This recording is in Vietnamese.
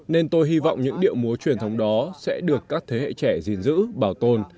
nên tôi hy vọng những điệu múa truyền thống đó sẽ được các thế hệ trẻ gìn giữ bảo tồn